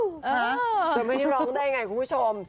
จะไม่ร้องได้ไงคุณผู้ชม